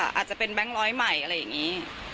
อาจจะเป็นแบงค์ร้อยใหม่อะไรอย่างนี้